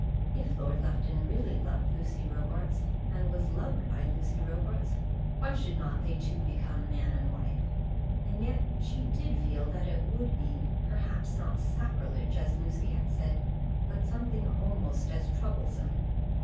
If Lord Lufton really loved Lucy Robarts, and was loved by Lucy Robarts, why should not they two become man and wife? And yet she did feel that it would be perhaps not sacrilege, as Lucy had said, but something almost as troublesome.